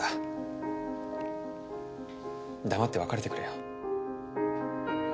黙って別れてくれよ。